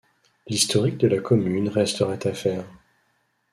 L'historique de la commune resterait à faire.